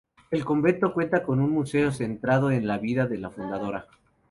El convento cuenta con un museo centrado en la vida de la fundadora.